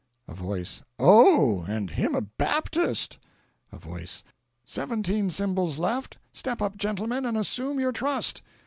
A Voice. "Oh, and him a Baptist!" A Voice. "Seventeen Symbols left! Step up, gentlemen, and assume your trust!"